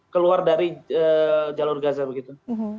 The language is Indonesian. keluar dari jalur gaza begitu